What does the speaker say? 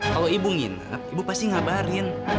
kalau ibu ngin ibu pasti ngabarin